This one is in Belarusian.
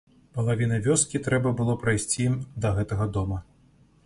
Палавіна вёскі трэба было прайсці ім да гэтага дома.